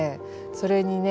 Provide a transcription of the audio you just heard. それにね